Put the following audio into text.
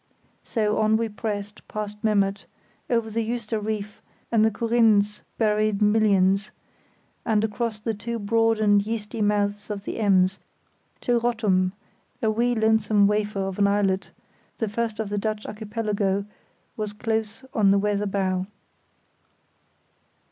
So on we pressed, past Memmert, over the Juister Reef and the Corinne's buried millions, across the two broad and yeasty mouths of the Ems, till Rottum, a wee lonesome wafer of an islet, the first of the Dutch archipelago, was close on the weather bow.